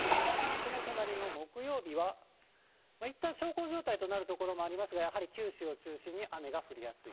その隣の木曜日は、いったん小康状態となる所もありますが、やはり九州を中心に雨が降りやすい。